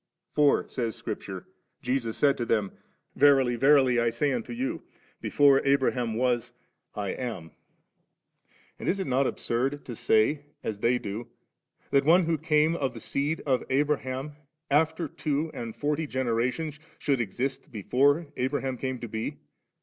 For, says Scripture, Jesus said to them, 'Verily, verily, I say unto you, before Abraham was, I am 5/ And is it not absurd to say, as they do, that one who came of the seed of Abraham after two and forty generations ^, should exist before Abraham came to be